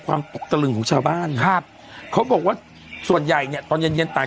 ตกตะลึงของชาวบ้านครับเขาบอกว่าส่วนใหญ่เนี้ยตอนเย็นเย็นต่าง